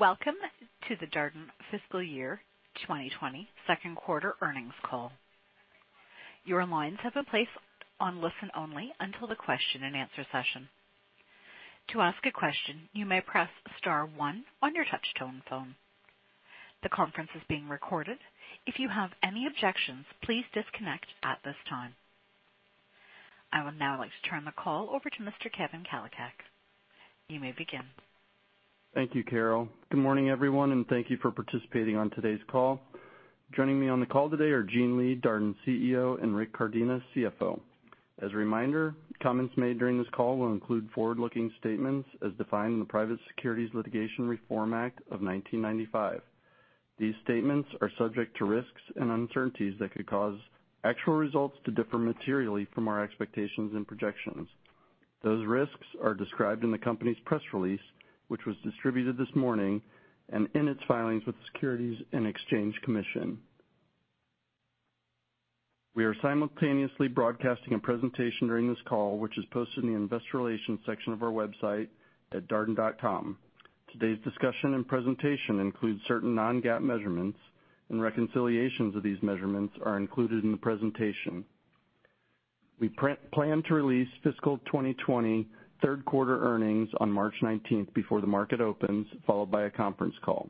Welcome to the Darden Fiscal Year 2020 second quarter earnings call. Your lines have been placed on listen only until the question and answer session. To ask a question, you may press star one on your touch-tone phone. The conference is being recorded. If you have any objections, please disconnect at this time. I would now like to turn the call over to Mr. Kevin Kalicak. You may begin. Thank you, Carol. Good morning, everyone, and thank you for participating on today's call. Joining me on the call today are Gene Lee, Darden CEO, and Rick Cardenas, CFO. As a reminder, comments made during this call will include forward-looking statements as defined in the Private Securities Litigation Reform Act of 1995. These statements are subject to risks and uncertainties that could cause actual results to differ materially from our expectations and projections. Those risks are described in the company's press release, which was distributed this morning, and in its filings with the Securities and Exchange Commission. We are simultaneously broadcasting a presentation during this call, which is posted in the Investor Relations section of our website at darden.com. Today's discussion and presentation includes certain non-GAAP measurements, and reconciliations of these measurements are included in the presentation. We plan to release fiscal 2020 third quarter earnings on March 19th before the market opens, followed by a conference call.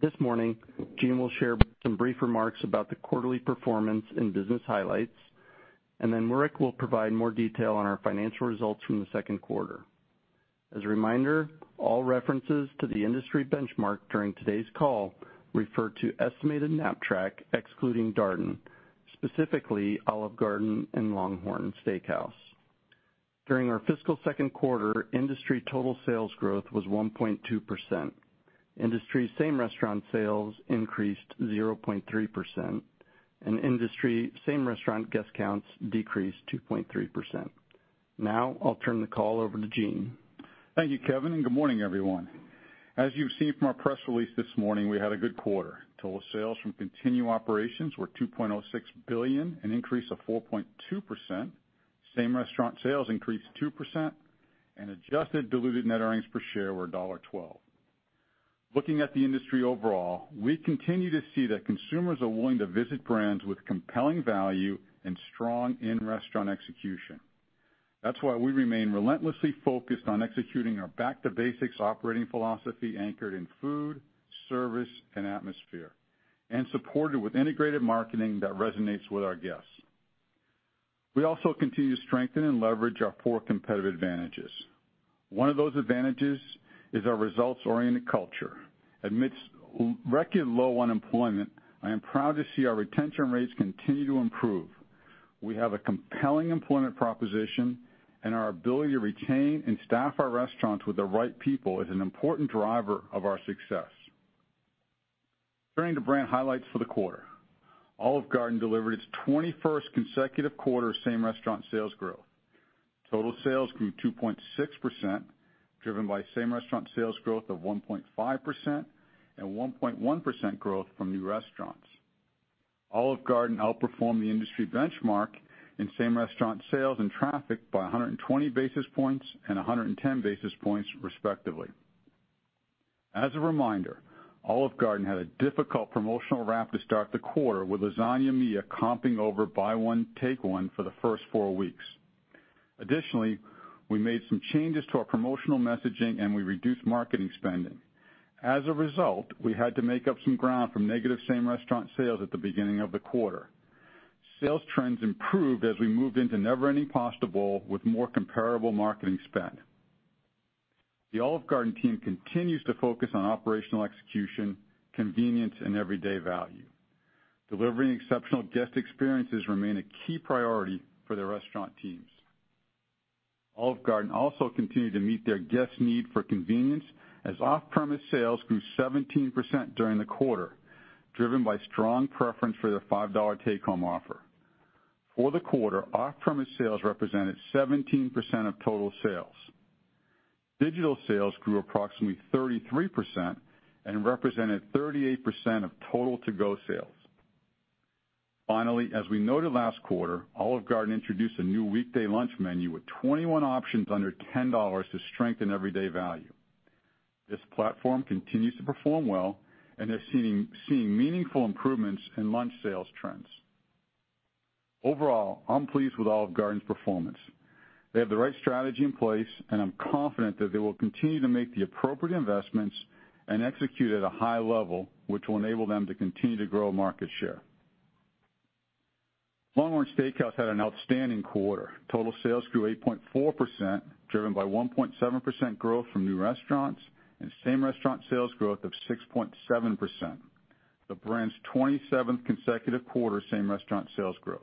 This morning, Gene will share some brief remarks about the quarterly performance and business highlights, and then Rick will provide more detail on our financial results from the second quarter. As a reminder, all references to the industry benchmark during today's call refer to estimated Knapp-Track, excluding Darden, specifically Olive Garden and LongHorn Steakhouse. During our fiscal second quarter, industry total sales growth was 1.2%. Industry same restaurant sales increased 0.3%, and industry same restaurant guest counts decreased 2.3%. Now, I'll turn the call over to Gene. Thank you, Kevin. Good morning, everyone. As you've seen from our press release this morning, we had a good quarter. Total sales from continued operations were $2.06 billion, an increase of 4.2%. Same-restaurant sales increased 2%, and adjusted diluted net earnings per share were $1.12. Looking at the industry overall, we continue to see that consumers are willing to visit brands with compelling value and strong in-restaurant execution. That's why we remain relentlessly focused on executing our back to basics operating philosophy anchored in food, service, and atmosphere, and supported with integrated marketing that resonates with our guests. We also continue to strengthen and leverage our four competitive advantages. One of those advantages is our results-oriented culture. Amidst record low unemployment, I am proud to see our retention rates continue to improve. We have a compelling employment proposition, and our ability to retain and staff our restaurants with the right people is an important driver of our success. Turning to brand highlights for the quarter. Olive Garden delivered its 21st consecutive quarter same restaurant sales growth. Total sales grew 2.6%, driven by same restaurant sales growth of 1.5% and 1.1% growth from new restaurants. Olive Garden outperformed the industry benchmark in same restaurant sales and traffic by 120 basis points and 110 basis points, respectively. As a reminder, Olive Garden had a difficult promotional wrap to start the quarter with Lasagna Mia comping over Buy One, Take One for the first four weeks. Additionally, we made some changes to our promotional messaging, and we reduced marketing spending. As a result, we had to make up some ground from negative same restaurant sales at the beginning of the quarter. Sales trends improved as we moved into Never Ending Pasta Bowl with more comparable marketing spend. The Olive Garden team continues to focus on operational execution, convenience, and everyday value. Delivering exceptional guest experiences remain a key priority for the restaurant teams. Olive Garden also continued to meet their guests' need for convenience as off-premise sales grew 17% during the quarter, driven by strong preference for their $5 take-home offer. For the quarter, off-premise sales represented 17% of total sales. Digital sales grew approximately 33% and represented 38% of total to-go sales. Finally, as we noted last quarter, Olive Garden introduced a new weekday lunch menu with 21 options under $10 to strengthen everyday value. This platform continues to perform well and is seeing meaningful improvements in lunch sales trends. Overall, I'm pleased with Olive Garden's performance. They have the right strategy in place, and I'm confident that they will continue to make the appropriate investments and execute at a high level, which will enable them to continue to grow market share. LongHorn Steakhouse had an outstanding quarter. Total sales grew 8.4%, driven by 1.7% growth from new restaurants and same restaurant sales growth of 6.7%. The brand's 27th consecutive quarter same restaurant sales growth.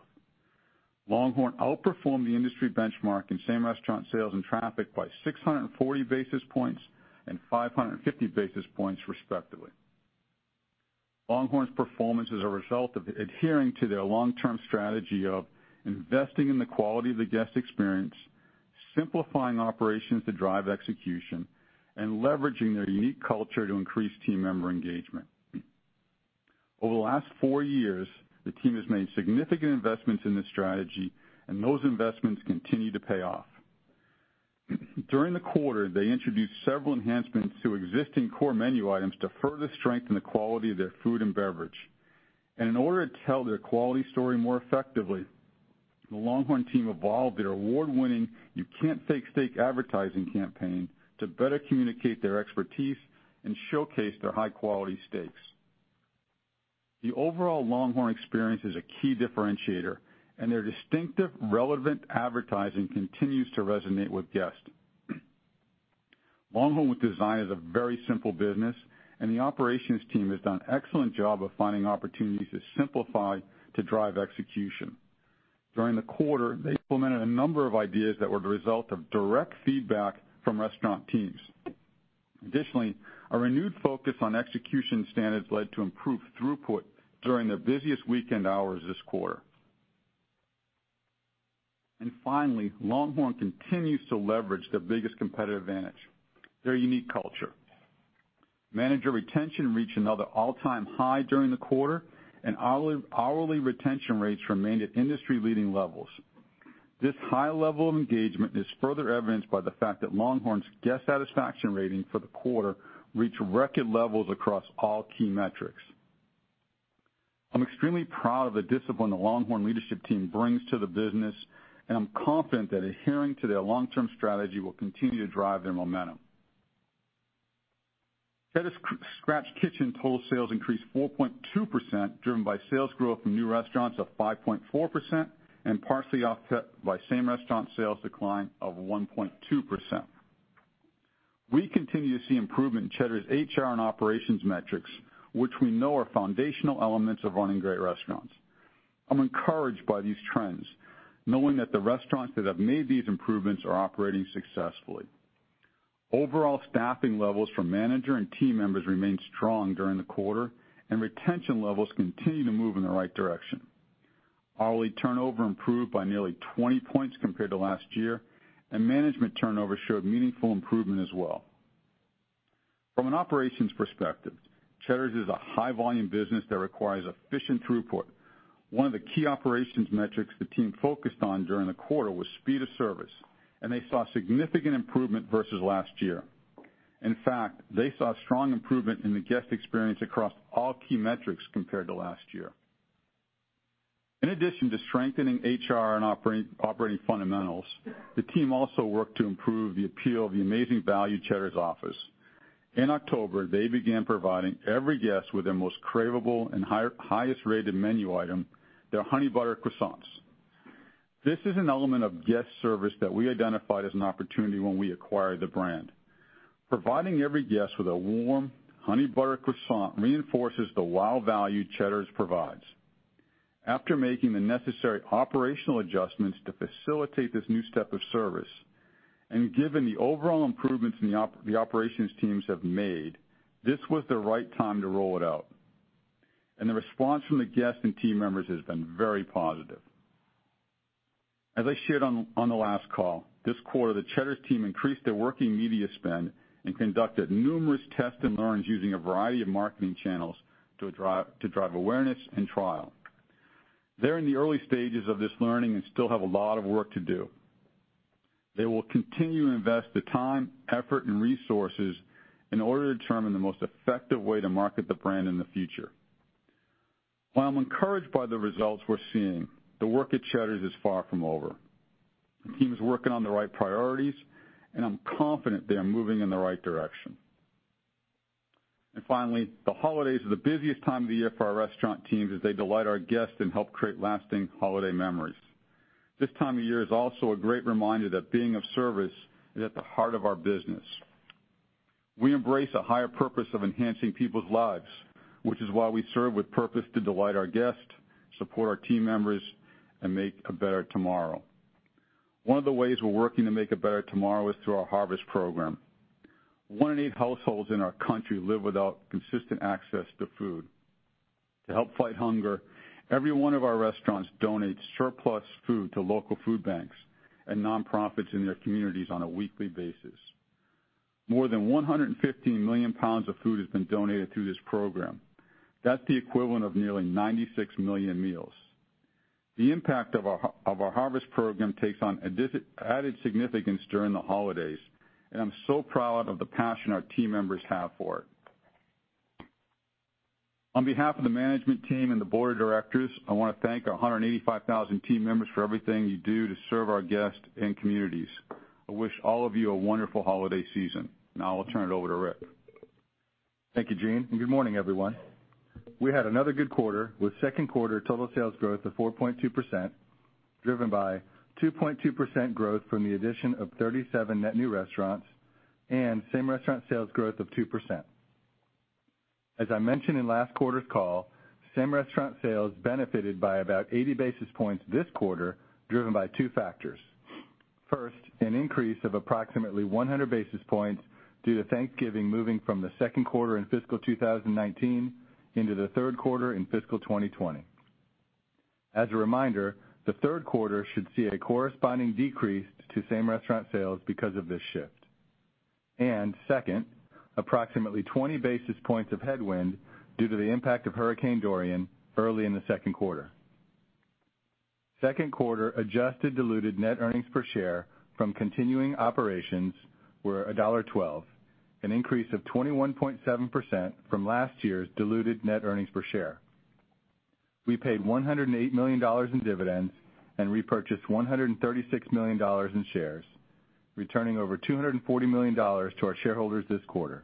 LongHorn outperformed the industry benchmark in same restaurant sales and traffic by 640 basis points and 550 basis points, respectively. LongHorn's performance is a result of adhering to their long-term strategy of investing in the quality of the guest experience, simplifying operations to drive execution, and leveraging their unique culture to increase team member engagement. Over the last four years, the team has made significant investments in this strategy, and those investments continue to pay off. During the quarter, they introduced several enhancements to existing core menu items to further strengthen the quality of their food and beverage. In order to tell their quality story more effectively, the LongHorn team evolved their award-winning You Can't Fake Steak advertising campaign to better communicate their expertise and showcase their high-quality steaks. The overall LongHorn experience is a key differentiator, and their distinctive, relevant advertising continues to resonate with guests. LongHorn, with design, is a very simple business, and the operations team has done excellent job of finding opportunities to simplify to drive execution. During the quarter, they implemented a number of ideas that were the result of direct feedback from restaurant teams. Additionally, a renewed focus on execution standards led to improved throughput during their busiest weekend hours this quarter. Finally, LongHorn continues to leverage their biggest competitive advantage, their unique culture. Manager retention reached another all-time high during the quarter, and hourly retention rates remained at industry-leading levels. This high level of engagement is further evidenced by the fact that LongHorn's guest satisfaction rating for the quarter reached record levels across all key metrics. I'm extremely proud of the discipline the LongHorn leadership team brings to the business, and I'm confident that adhering to their long-term strategy will continue to drive their momentum. Cheddar's Scratch Kitchen total sales increased 4.2%, driven by sales growth from new restaurants of 5.4%, and partially offset by same-restaurant sales decline of 1.2%. We continue to see improvement in Cheddar's HR and operations metrics, which we know are foundational elements of running great restaurants. I'm encouraged by these trends, knowing that the restaurants that have made these improvements are operating successfully. Overall staffing levels for manager and team members remained strong during the quarter, and retention levels continue to move in the right direction. Hourly turnover improved by nearly 20 points compared to last year, and management turnover showed meaningful improvement as well. From an operations perspective, Cheddar's is a high-volume business that requires efficient throughput. One of the key operations metrics the team focused on during the quarter was speed of service, and they saw significant improvement versus last year. In fact, they saw strong improvement in the guest experience across all key metrics compared to last year. In addition to strengthening HR and operating fundamentals, the team also worked to improve the appeal of the amazing value Cheddar's offers. In October, they began providing every guest with their most craveable and highest-rated menu item, their honey butter croissants. This is an element of guest service that we identified as an opportunity when we acquired the brand. Providing every guest with a warm honey butter croissant reinforces the wow value Cheddar's provides. After making the necessary operational adjustments to facilitate this new step of service, given the overall improvements the operations teams have made, this was the right time to roll it out. The response from the guests and team members has been very positive. As I shared on the last call, this quarter, the Cheddar's team increased their working media spend and conducted numerous test and learns using a variety of marketing channels to drive awareness and trial. They're in the early stages of this learning and still have a lot of work to do. They will continue to invest the time, effort, and resources in order to determine the most effective way to market the brand in the future. While I'm encouraged by the results we're seeing, the work at Cheddar's is far from over. The team is working on the right priorities, and I'm confident they are moving in the right direction. Finally, the holidays are the busiest time of the year for our restaurant teams as they delight our guests and help create lasting holiday memories. This time of year is also a great reminder that being of service is at the heart of our business. We embrace a higher purpose of enhancing people's lives, which is why we serve with purpose to delight our guests, support our team members, and make a better tomorrow. One of the ways we're working to make a better tomorrow is through our Harvest program. One in eight households in our country live without consistent access to food. To help fight hunger, every one of our restaurants donates surplus food to local food banks and nonprofits in their communities on a weekly basis. More than 115 million pounds of food has been donated through this program. That's the equivalent of nearly 96 million meals. The impact of our Harvest program takes on added significance during the holidays, and I'm so proud of the passion our team members have for it. On behalf of the management team and the board of directors, I want to thank our 185,000 team members for everything you do to serve our guests and communities. I wish all of you a wonderful holiday season. Now, i'll turn it over to Rick. Thank you, Gene, and good morning, everyone. We had another good quarter with second quarter total sales growth of 4.2%, driven by 2.2% growth from the addition of 37 net new restaurants and same-restaurant sales growth of 2%. As I mentioned in last quarter's call, same-restaurant sales benefited by about 80 basis points this quarter, driven by two factors. First, an increase of approximately 100 basis points due to Thanksgiving moving from the second quarter in fiscal 2019 into the third quarter in fiscal 2020. As a reminder, the third quarter should see a corresponding decrease to same-restaurant sales because of this shift. Second, approximately 20 basis points of headwind due to the impact of Hurricane Dorian early in the second quarter. Second quarter adjusted diluted net earnings per share from continuing operations were $1.12, an increase of 21.7% from last year's diluted net earnings per share. We paid $108 million in dividends and repurchased $136 million in shares, returning over $240 million to our shareholders this quarter.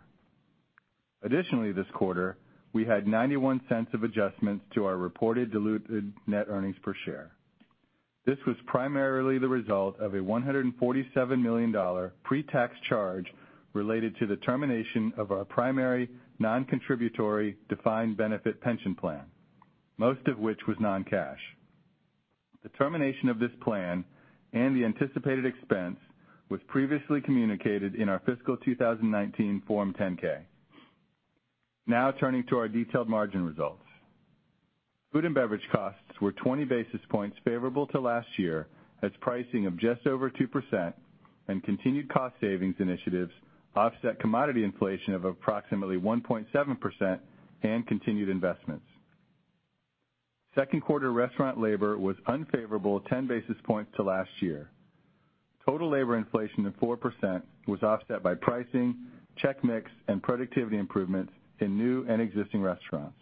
Additionally, this quarter, we had $0.91 of adjustments to our reported diluted net earnings per share. This was primarily the result of a $147 million pre-tax charge related to the termination of our primary non-contributory defined benefit pension plan, most of which was non-cash. The termination of this plan and the anticipated expense was previously communicated in our fiscal 2019 Form 10-K. Now turning to our detailed margin results. Food and beverage costs were 20 basis points favorable to last year, as pricing of just over 2% and continued cost savings initiatives offset commodity inflation of approximately 1.7% and continued investments. Second quarter restaurant labor was unfavorable 10 basis points to last year. Total labor inflation of 4% was offset by pricing, check mix, and productivity improvements in new and existing restaurants.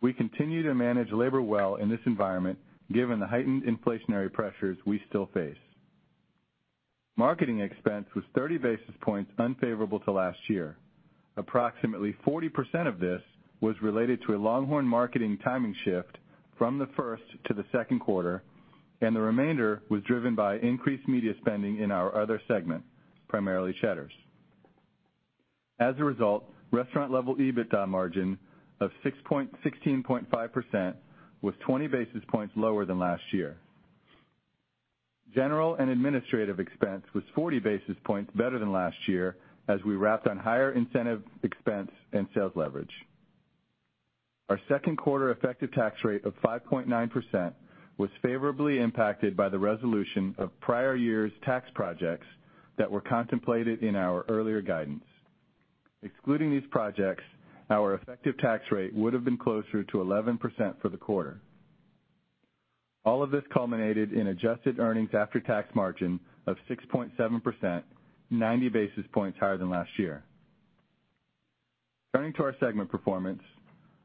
We continue to manage labor well in this environment, given the heightened inflationary pressures we still face. Marketing expense was 30 basis points unfavorable to last year. Approximately 40% of this was related to a LongHorn marketing timing shift from the first to the second quarter, and the remainder was driven by increased media spending in our other segment, primarily Cheddar's. A result, restaurant-level EBITDA margin of 16.5% was 20 basis points lower than last year. General and administrative expense was 40 basis points better than last year, as we wrapped on higher incentive expense and sales leverage. Our second quarter effective tax rate of 5.9% was favorably impacted by the resolution of prior year's tax projects that were contemplated in our earlier guidance. Excluding these projects, our effective tax rate would have been closer to 11% for the quarter. All of this culminated in adjusted earnings after tax margin of 6.7%, 90 basis points higher than last year. Turning to our segment performance,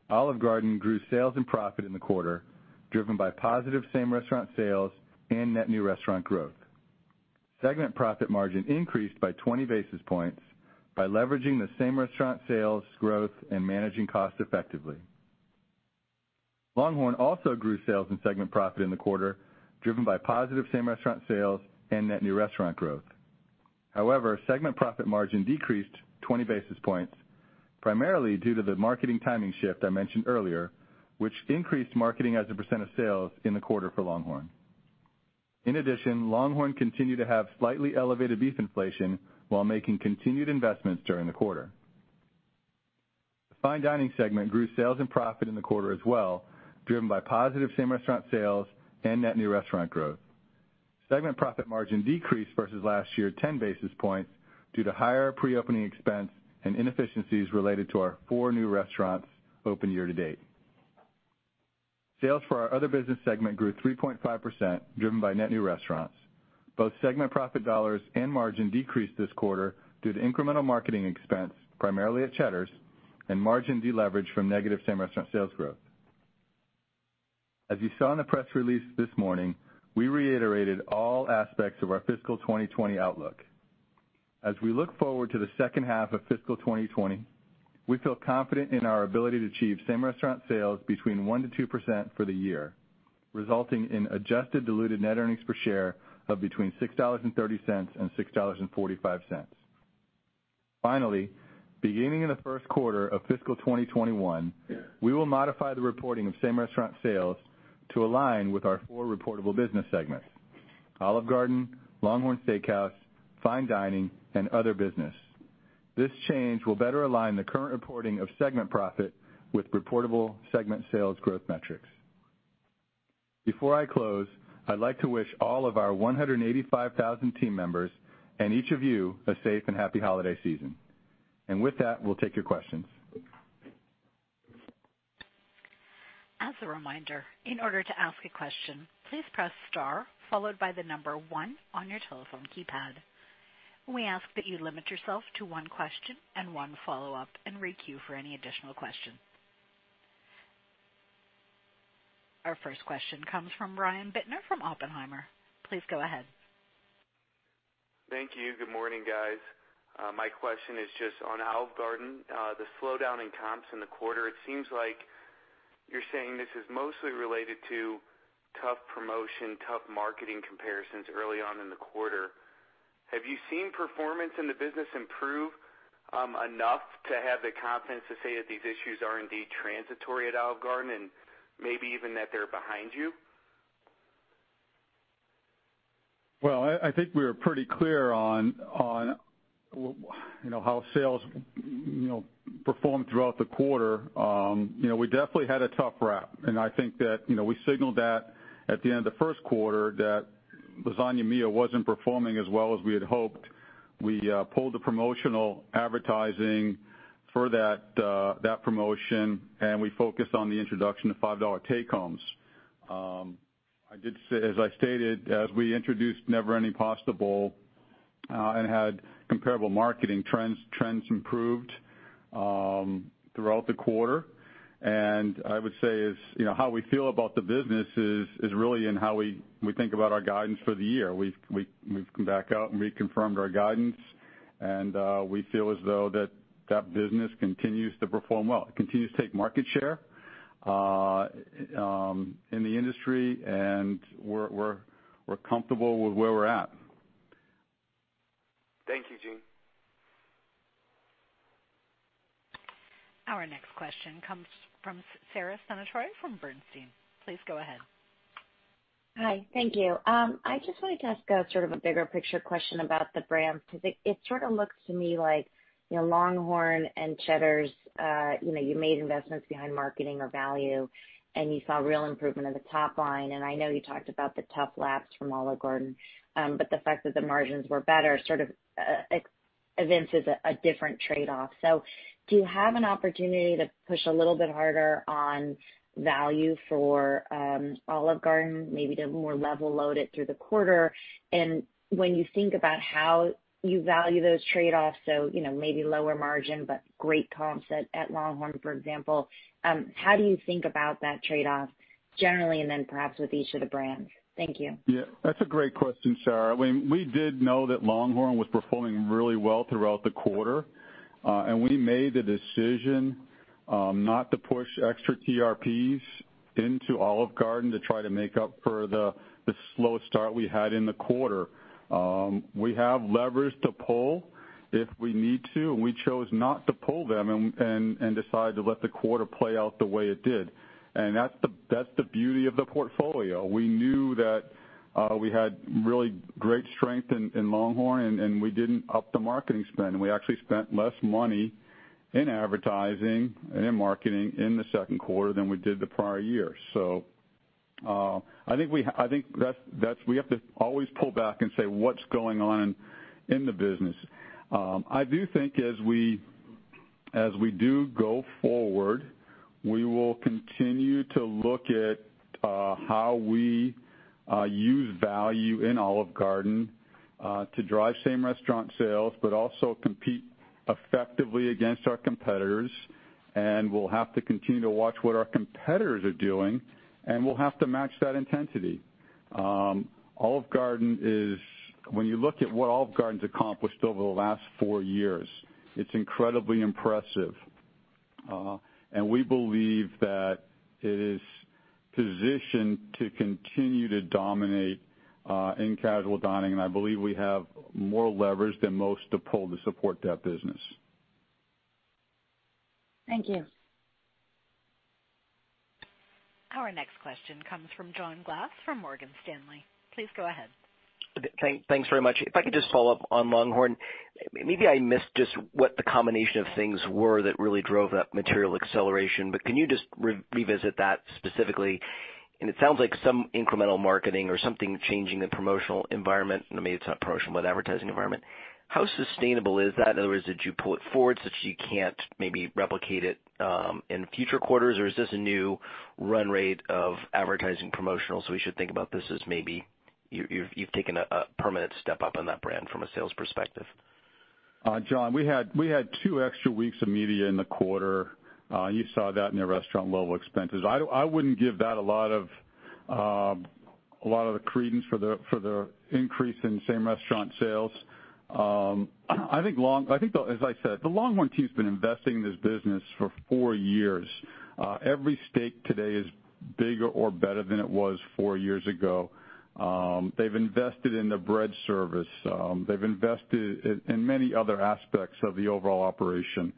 Olive Garden grew sales and profit in the quarter, driven by positive same-restaurant sales and net new restaurant growth. Segment profit margin increased by 20 basis points by leveraging the same-restaurant sales growth and managing costs effectively. LongHorn also grew sales and segment profit in the quarter, driven by positive same-restaurant sales and net new restaurant growth. However, segment profit margin decreased 20 basis points, primarily due to the marketing timing shift I mentioned earlier, which increased marketing as a percentage of sales in the quarter for LongHorn. In addition, LongHorn continued to have slightly elevated beef inflation while making continued investments during the quarter. The Fine Dining segment grew sales and profit in the quarter as well, driven by positive same-restaurant sales and net new restaurant growth. Segment profit margin decreased versus last year 10 basis points due to higher pre-opening expense and inefficiencies related to our four new restaurants opened year to date. Sales for our Other Business segment grew 3.5%, driven by net new restaurants. Both segment profit dollars and margin decreased this quarter due to incremental marketing expense, primarily at Cheddar's, and margin de-leverage from negative same-restaurant sales growth. As you saw in the press release this morning, we reiterated all aspects of our fiscal 2020 outlook. As we look forward to the second half of fiscal 2020, we feel confident in our ability to achieve same-restaurant sales between 1% to 2% for the year, resulting in adjusted diluted net earnings per share of between $6.30 and $6.45. Finally, beginning in the first quarter of fiscal 2021, we will modify the reporting of same-restaurant sales to align with our four reportable business segments: Olive Garden, LongHorn Steakhouse, Fine Dining, and Other Business. This change will better align the current reporting of segment profit with reportable segment sales growth metrics. Before I close, I'd like to wish all of our 185,000 team members, and each of you, a safe and happy holiday season. With that, we'll take your questions. As a reminder, in order to ask a question, please press star followed by the number one on your telephone keypad. We ask that you limit yourself to one question and one follow-up and re-queue for any additional questions. Our first question comes from Brian Bittner from Oppenheimer. Please go ahead. Thank you. Good morning, guys. My question is just on Olive Garden, the slowdown in comps in the quarter, it seems like you're saying this is mostly related to tough promotion, tough marketing comparisons early on in the quarter. Have you seen performance in the business improve enough to have the confidence to say that these issues are indeed transitory at Olive Garden and maybe even that they're behind you? Well, I think we were pretty clear on how sales performed throughout the quarter. We definitely had a tough wrap. I think that we signaled that at the end of the first quarter that Lasagna Mia wasn't performing as well as we had hoped. We pulled the promotional advertising for that promotion, and we focused on the introduction of $5 take-homes. As I stated, as we introduced Never Ending Pasta Bowl, and had comparable marketing trends improved throughout the quarter. I would say is, how we feel about the business is really in how we think about our guidance for the year. We've come back out and reconfirmed our guidance, and we feel as though that business continues to perform well. It continues to take market share in the industry, and we're comfortable with where we're at. Thank you, Gene. Our next question comes from Sara Senatore from Bernstein. Please go ahead. Hi. Thank you. I just wanted to ask a sort of a bigger picture question about the brands, because it sort of looks to me like, LongHorn and Cheddar's, you made investments behind marketing or value, and you saw real improvement in the top line. I know you talked about the tough laps from Olive Garden. The fact that the margins were better sort of evinces a different trade-off. Do you have an opportunity to push a little bit harder on value for Olive Garden, maybe to more level load it through the quarter? When you think about how you value those trade-offs, so maybe lower margin, but great comp set at LongHorn, for example, how do you think about that trade-off generally and then perhaps with each of the brands? Thank you. That's a great question, Sara. We did know that LongHorn was performing really well throughout the quarter. We made the decision not to push extra TRPs into Olive Garden to try to make up for the slow start we had in the quarter. We have levers to pull if we need to, we chose not to pull them and decide to let the quarter play out the way it did. That's the beauty of the portfolio. We knew that we had really great strength in LongHorn, we didn't up the marketing spend, we actually spent less money in advertising and in marketing in the second quarter than we did the prior year. I think we have to always pull back and say what's going on in the business. I do think as we do go forward, we will continue to look at how we use value in Olive Garden to drive same-restaurant sales, but also compete effectively against our competitors. We'll have to continue to watch what our competitors are doing, and we'll have to match that intensity. Olive Garden is — when you look at what Olive Garden's accomplished over the last four years, it's incredibly impressive. We believe that it is positioned to continue to dominate in casual dining, and I believe we have more levers than most to pull to support that business. Thank you. Our next question comes from John Glass from Morgan Stanley. Please go ahead. Thanks very much. If I could just follow up on LongHorn. Maybe I missed just what the combination of things were that really drove up material acceleration. Can you just revisit that specifically? It sounds like some incremental marketing or something changing the promotional environment, maybe it's not promotional, but advertising environment. How sustainable is that? In other words, did you pull it forward such that you can't maybe replicate it in future quarters? Is this a new run rate of advertising promotional, so we should think about this as maybe you've taken a permanent step up in that brand from a sales perspective? John, we had two extra weeks of media in the quarter. You saw that in the restaurant level expenses. I wouldn't give that a lot of credence for the increase in same-restaurant sales. As I said, the LongHorn team's been investing in this business for four years. Every steak today is bigger or better than it was four years ago. They've invested in the bread service. They've invested in many other aspects of the overall operation.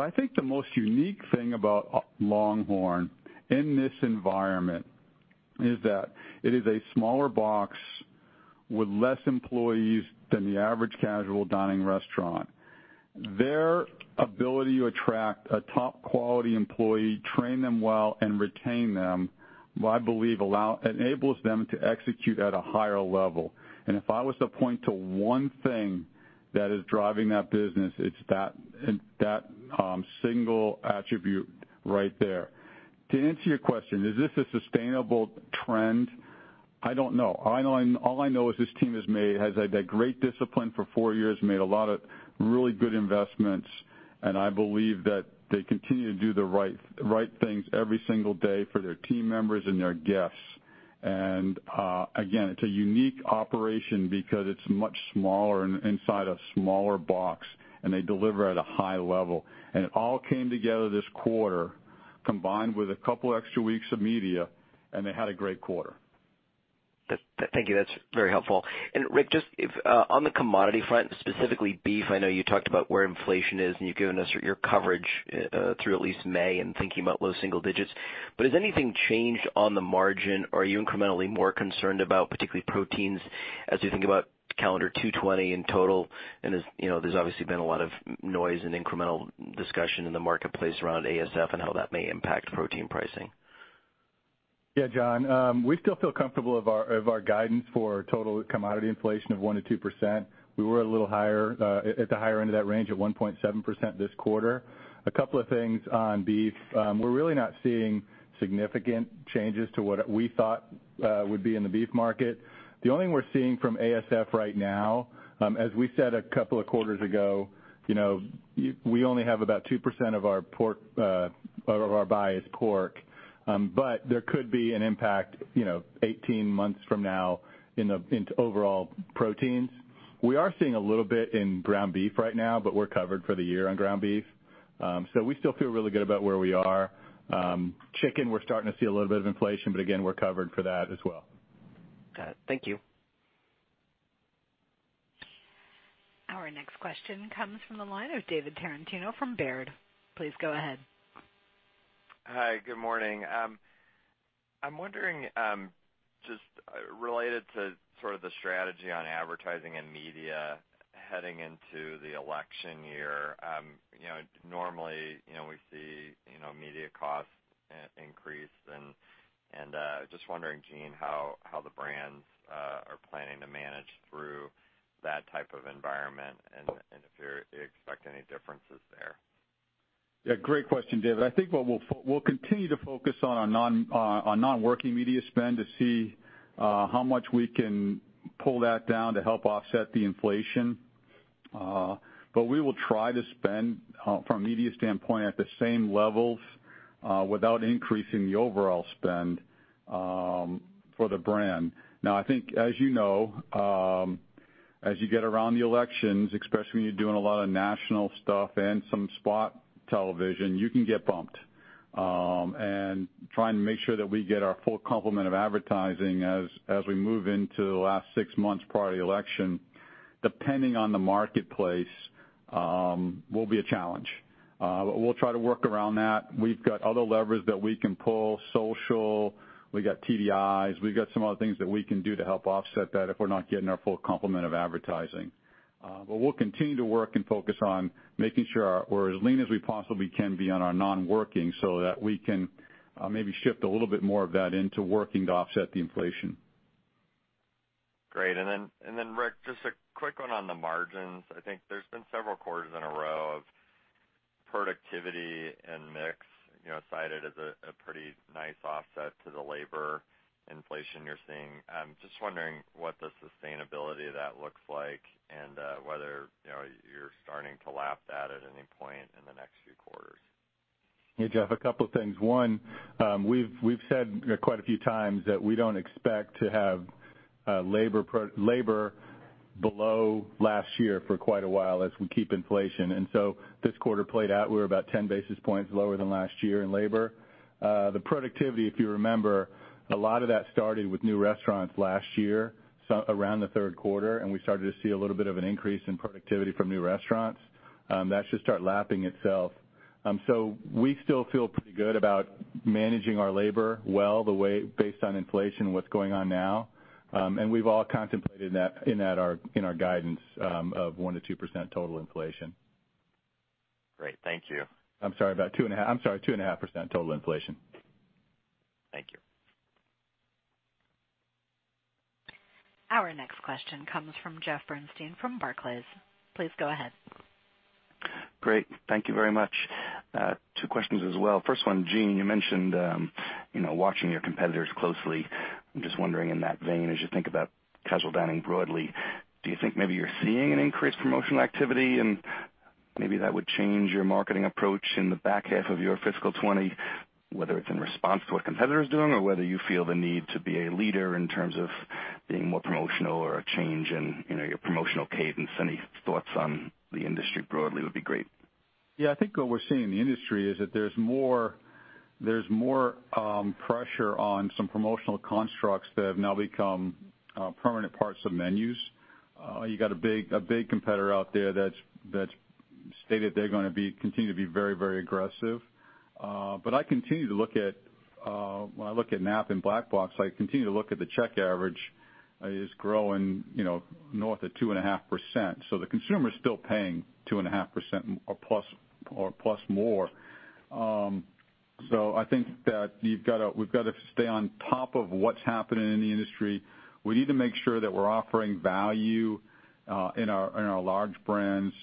I think the most unique thing about LongHorn in this environment is that it is a smaller box with less employees than the average casual dining restaurant. Their ability to attract a top-quality employee, train them well, and retain them, I believe enables them to execute at a higher level. If I was to point to one thing that is driving that business, it's that single attribute right there. To answer your question, is this a sustainable trend? I don't know. All I know is this team has had that great discipline for four years, made a lot of really good investments, I believe that they continue to do the right things every single day for their team members and their guests. Again, it's a unique operation because it's much smaller and inside a smaller box, and they deliver at a high level. It all came together this quarter, combined with a couple extra weeks of media, and they had a great quarter. Thank you. That's very helpful. Rick, just on the commodity front, specifically beef, I know you talked about where inflation is, and you've given us your coverage through at least May and thinking about low single digits. Has anything changed on the margin? Are you incrementally more concerned about particularly proteins as you think about calendar 2020 in total? There's obviously been a lot of noise and incremental discussion in the marketplace around ASF and how that may impact protein pricing. Yeah, John. We still feel comfortable of our guidance for total commodity inflation of 1%-2%. We were at the higher end of that range at 1.7% this quarter. A couple of things on beef. We're really not seeing significant changes to what we thought would be in the beef market. The only thing we're seeing from ASF right now, as we said a couple of quarters ago, we only have about 2% of our buy is pork. There could be an impact 18 months from now into overall proteins. We are seeing a little bit in ground beef right now, but we're covered for the year on ground beef. We still feel really good about where we are. Chicken, we're starting to see a little bit of inflation, but again, we're covered for that as well. Got it. Thank you. Our next question comes from the line of David Tarantino from Baird. Please go ahead. Hi. Good morning. I'm wondering, just related to sort of the strategy on advertising and media heading into the election year. Normally, we see media costs increase and just wondering, Gene, how the brands are planning to manage through that type of environment and if you expect any differences there? Yeah, great question, David. I think we'll continue to focus on our non-working media spend to see how much we can pull that down to help offset the inflation. We will try to spend, from a media standpoint, at the same levels without increasing the overall spend for the brand. I think as you know, as you get around the elections, especially when you're doing a lot of national stuff and some spot television, you can get bumped. Trying to make sure that we get our full complement of advertising as we move into the last six months prior to the election, depending on the marketplace, will be a challenge. We'll try to work around that. We've got other levers that we can pull, social, we got TDIs, we've got some other things that we can do to help offset that if we're not getting our full complement of advertising. We'll continue to work and focus on making sure we're as lean as we possibly can be on our non-working, so that we can maybe shift a little bit more of that into working to offset the inflation. Great. Then Rick, just a quick one on the margins. I think there's been several quarters in a row of productivity and mix cited as a pretty nice offset to the labor inflation you're seeing. I'm just wondering what the sustainability of that looks like, and whether you're starting to lap that at any point in the next few quarters. Yeah, Jeff, a couple things. One, we've said quite a few times that we don't expect to have labor below last year for quite a while as we keep inflation. This quarter played out, we were about 10 basis points lower than last year in labor. The productivity, if you remember, a lot of that started with new restaurants last year, around the third quarter, and we started to see a little bit of an increase in productivity from new restaurants. That should start lapping itself. We still feel pretty good about managing our labor well based on inflation and what's going on now. We've all contemplated that in our guidance of 1%-2% total inflation. Great. Thank you. I'm sorry, 2.5% total inflation. Thank you. Our next question comes from Jeff Bernstein from Barclays. Please go ahead. Great. Thank you very much. Two questions as well. First one, Gene, you mentioned watching your competitors closely. I'm just wondering in that vein, as you think about casual dining broadly, do you think maybe you're seeing an increased promotional activity and maybe that would change your marketing approach in the back half of your fiscal 2020, whether it's in response to what competitors are doing or whether you feel the need to be a leader in terms of being more promotional or a change in your promotional cadence? Any thoughts on the industry broadly would be great. I think what we're seeing in the industry is that there's more pressure on some promotional constructs that have now become permanent parts of menus. You got a big competitor out there that's stated they're going to continue to be very aggressive. But I continue to look at — when I look at Knapp and Black Box, I continue to look at the check average is growing north of 2.5%. The consumer's still paying 2.5% or plus more. I think that we've got to stay on top of what's happening in the industry. We need to make sure that we're offering value in our large brands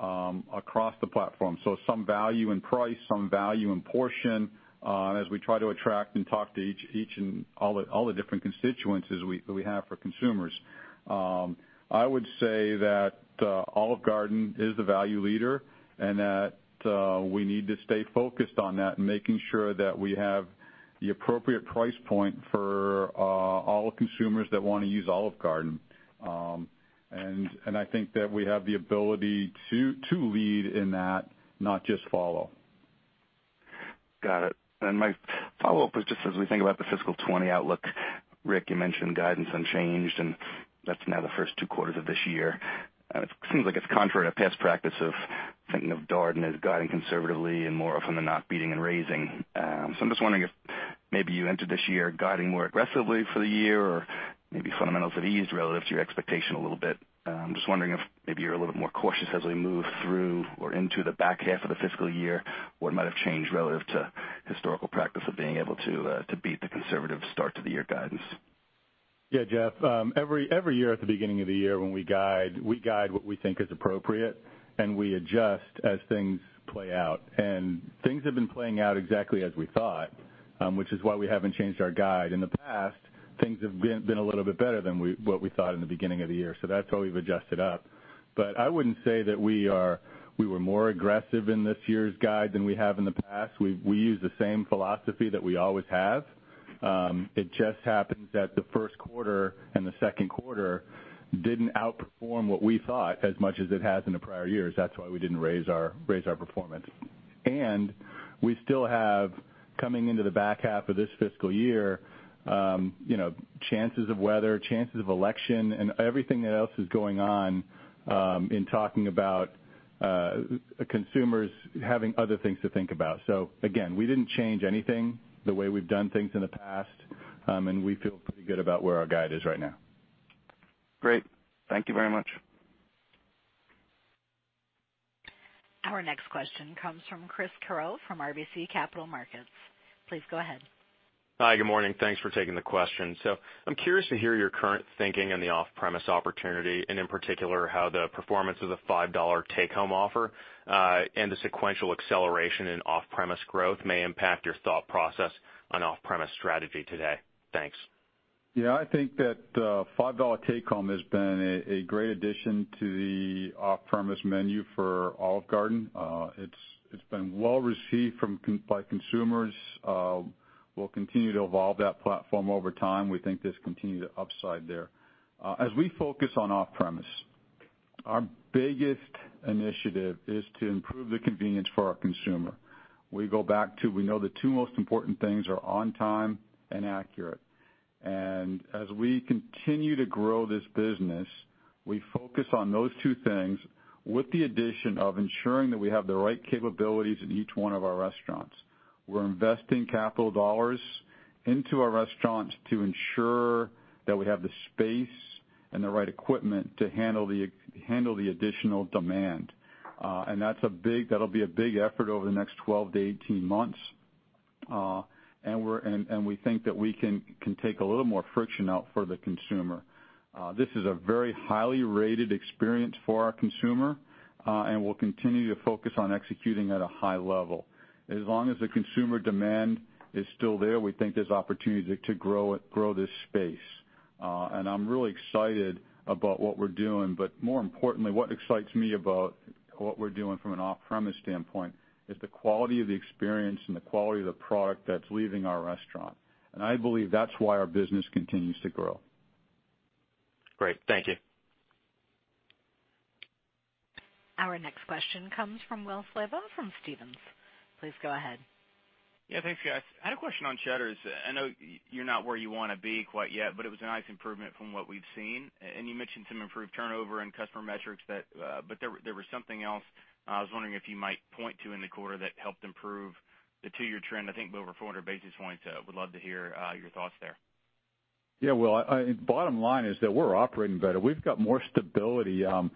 across the platform. Some value in price, some value in portion as we try to attract and talk to each and all the different constituencies that we have for consumers. I would say that Olive Garden is the value leader, that we need to stay focused on that and making sure that we have the appropriate price point for all the consumers that want to use Olive Garden. I think that we have the ability to lead in that, not just follow. Got it. My follow-up was just as we think about the fiscal 2020 outlook, Rick, you mentioned guidance unchanged, and that's now the first two quarters of this year. It seems like it's contrary to past practice of thinking of Darden as guiding conservatively and more often than not beating and raising. I'm just wondering if maybe you entered this year guiding more aggressively for the year or maybe fundamentals have eased relative to your expectation a little bit. I'm just wondering if maybe you're a little bit more cautious as we move through or into the back half of the fiscal year, what might have changed relative to historical practice of being able to beat the conservative start to the year guidance. Yeah, Jeff. Every year at the beginning of the year, when we guide, we guide what we think is appropriate, and we adjust as things play out. Things have been playing out exactly as we thought, which is why we haven't changed our guide. In the past, things have been a little bit better than what we thought in the beginning of the year, so that's why we've adjusted up. I wouldn't say that we were more aggressive in this year's guide than we have in the past. We use the same philosophy that we always have. It just happens that the first quarter and the second quarter didn't outperform what we thought as much as it has in the prior years. That's why we didn't raise our performance. We still have, coming into the back half of this fiscal year, chances of weather, chances of election, and everything else is going on in talking about consumers having other things to think about. Again, we didn't change anything the way we've done things in the past, and we feel pretty good about where our guide is right now. Great. Thank you very much. Our next question comes from Chris Carril from RBC Capital Markets. Please go ahead. Hi, good morning. Thanks for taking the question. I'm curious to hear your current thinking on the off-premise opportunity and, in particular, how the performance of the $5 take-home offer, and the sequential acceleration in off-premise growth may impact your thought process on off-premise strategy today. Thanks. Yeah, I think that the $5 take-home has been a great addition to the off-premise menu for Olive Garden. It's been well-received by consumers. We'll continue to evolve that platform over time. We think there's continued upside there. As we focus on off-premise, our biggest initiative is to improve the convenience for our consumer. We go back to, we know the two most important things are on time and accurate. As we continue to grow this business, we focus on those two things with the addition of ensuring that we have the right capabilities in each one of our restaurants. We're investing capital dollars into our restaurants to ensure that we have the space and the right equipment to handle the additional demand. That'll be a big effort over the next 12-18 months. We think that we can take a little more friction out for the consumer. This is a very highly rated experience for our consumer, and we'll continue to focus on executing at a high level. As long as the consumer demand is still there, we think there's opportunity to grow this space. I'm really excited about what we're doing, but more importantly, what excites me about what we're doing from an off-premise standpoint is the quality of the experience and the quality of the product that's leaving our restaurant. I believe that's why our business continues to grow. Great. Thank you. Our next question comes from Will Slabaugh from Stephens. Please go ahead. Yeah, thanks, guys. I had a question on Cheddar's. I know you're not where you want to be quite yet, but it was a nice improvement from what we've seen. You mentioned some improved turnover and customer metrics, there was something else I was wondering if you might point to in the quarter that helped improve the two-year trend, I think over 400 basis points. Would love to hear your thoughts there. Yeah, Will. Bottom line is that we're operating better. We've got more stability. I'm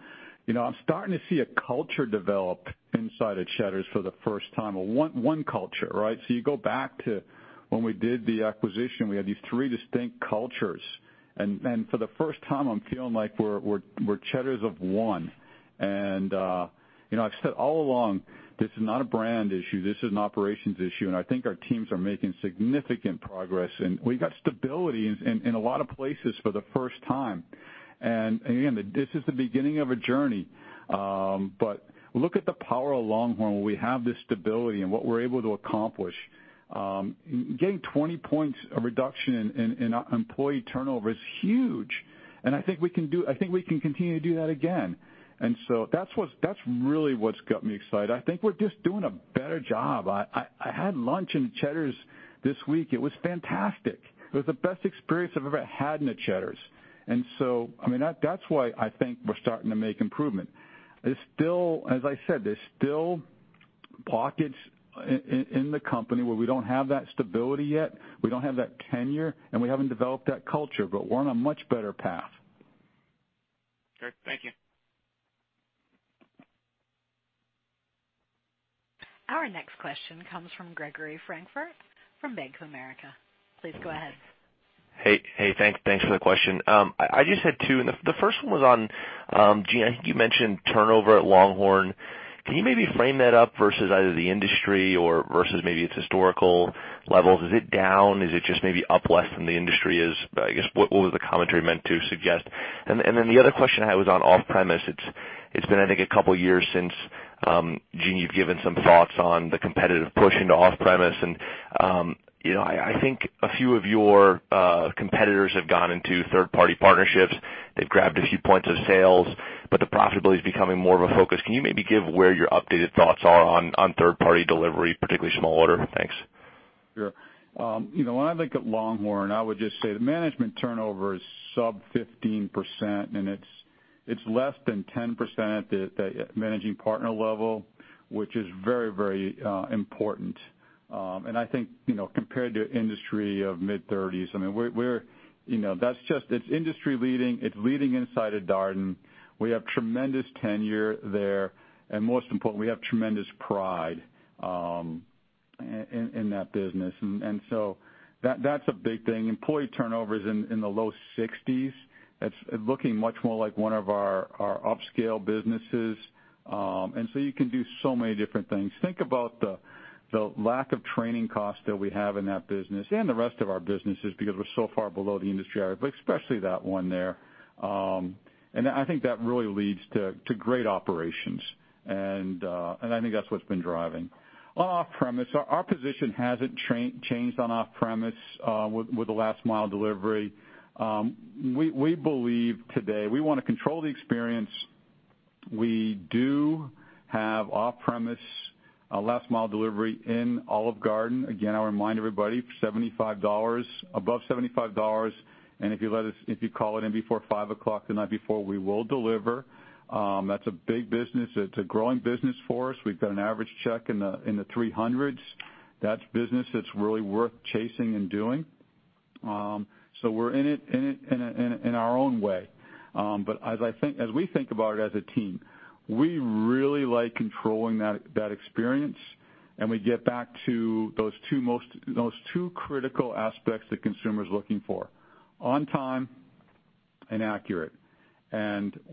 starting to see a culture develop inside of Cheddar's for the first time, one culture, right? You go back to when we did the acquisition, we had these three distinct cultures. For the first time, I'm feeling like we're Cheddar's of one. I've said all along, this is not a brand issue, this is an operations issue, and I think our teams are making significant progress. We got stability in a lot of places for the first time. Again, this is the beginning of a journey. Look at the power of LongHorn, where we have this stability and what we're able to accomplish. Getting 20 points of reduction in employee turnover is huge, and I think we can continue to do that again. That's really what's got me excited. I think we're just doing a better job. I had lunch in Cheddar's this week. It was fantastic. It was the best experience I've ever had in a Cheddar's. That's why I think we're starting to make improvement. As I said, there's still pockets in the company where we don't have that stability yet. We don't have that tenure, and we haven't developed that culture, but we're on a much better path. Okay, thank you. Our next question comes from Gregory Francfort from Bank of America. Please go ahead. Hey, thanks for the question. I just had two, and the first one was on, Gene, I think you mentioned turnover at LongHorn. Can you maybe frame that up versus either the industry or versus maybe its historical levels? Is it down? Is it just maybe up less than the industry is? I guess, what was the commentary meant to suggest? The other question I had was on off-premise. It's been, I think, a couple years since, Gene, you've given some thoughts on the competitive push into off-premise and I think a few of your competitors have gone into third-party partnerships. They've grabbed a few points of sales, but the profitability is becoming more of a focus. Can you maybe give where your updated thoughts are on third-party delivery, particularly small order? Thanks. Sure. When I look at LongHorn, I would just say the management turnover is sub 15%, and it's less than 10% at the managing partner level, which is very important. I think, compared to industry of mid-30s, it's industry leading, it's leading inside of Darden. We have tremendous tenure there. Most important, we have tremendous pride in that business. That's a big thing. Employee turnover is in the low 60s. It's looking much more like one of our upscale businesses. You can do so many different things. Think about the lack of training costs that we have in that business and the rest of our businesses, because we're so far below the industry average, but especially that one there. I think that really leads to great operations. I think that's what's been driving. On off-premise, our position hasn't changed on off-premise with the last mile delivery. We believe today we want to control the experience. We do have off-premise last mile delivery in Olive Garden. Again, I remind everybody, above $75, and if you call it in before 5:00 the night before, we will deliver. That's a big business. It's a growing business for us. We've got an average check in the 300s. That's business that's really worth chasing and doing. We're in it in our own way. As we think about it as a team, we really like controlling that experience, and we get back to those two critical aspects that consumer's looking for, on time and accurate.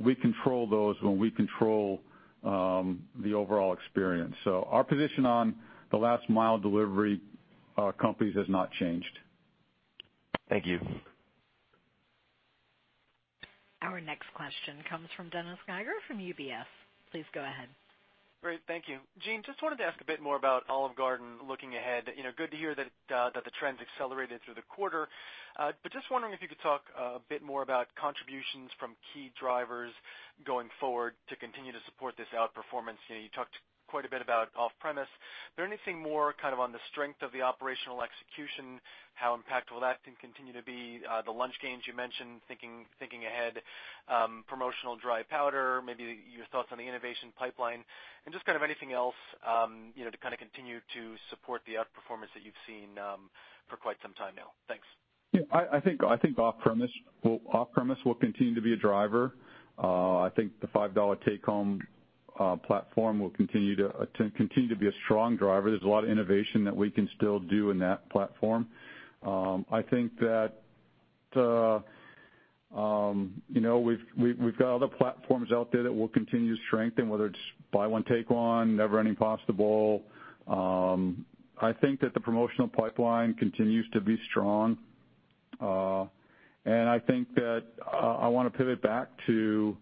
We control those when we control the overall experience. Our position on the last mile delivery companies has not changed. Thank you. Our next question comes from Dennis Geiger from UBS. Please go ahead. Great. Thank you. Gene, just wanted to ask a bit more about Olive Garden looking ahead. Good to hear that the trends accelerated through the quarter. Just wondering if you could talk a bit more about contributions from key drivers going forward to continue to support this outperformance. You talked quite a bit about off-premise. Is there anything more on the strength of the operational execution, how impactful that can continue to be? The lunch gains you mentioned, thinking ahead, promotional dry powder, maybe your thoughts on the innovation pipeline and just anything else to continue to support the outperformance that you've seen for quite some time now. Thanks. Yeah. I think off-premise will continue to be a driver. I think the $5 take-home platform will continue to be a strong driver. There's a lot of innovation that we can still do in that platform. I think that we've got other platforms out there that will continue to strengthen, whether it's Buy One, Take One, Never Ending Pasta Bowl. I think that the promotional pipeline continues to be strong. I want to pivot back to,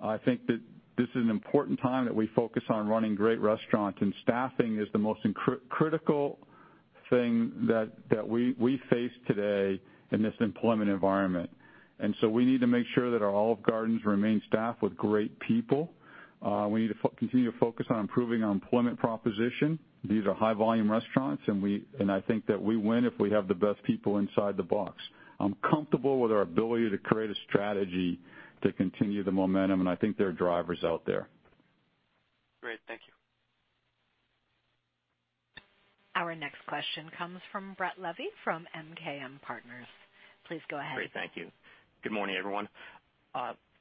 I think that this is an important time that we focus on running great restaurants, and staffing is the most critical thing that we face today in this employment environment. We need to make sure that our Olive Gardens remain staffed with great people. We need to continue to focus on improving our employment proposition. These are high volume restaurants, and I think that we win if we have the best people inside the box. I'm comfortable with our ability to create a strategy to continue the momentum, and I think there are drivers out there. Great. Thank you. Our next question comes from Brett Levy from MKM Partners. Please go ahead. Great. Thank you. Good morning, everyone.